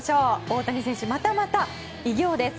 大谷選手、またまた偉業です。